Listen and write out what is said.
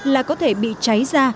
là có thể bị cháy ra